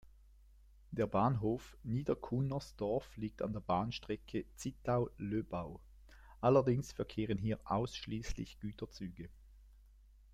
Der Bahnhof Niedercunnersdorf liegt an der Bahnstrecke Zittau–Löbau; allerdings verkehren hier ausschließlich Güterzüge.